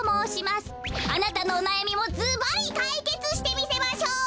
あなたのおなやみもずばりかいけつしてみせましょう！